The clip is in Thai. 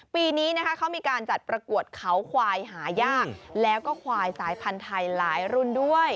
ปีนี้นะคะเขามีการจัดประกวดเขาควายหายากแล้วก็ควายสายพันธุ์ไทยหลายรุ่นด้วย